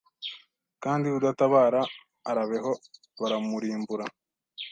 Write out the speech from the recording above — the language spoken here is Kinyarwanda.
Kandi udatabara arabeho baramurimbura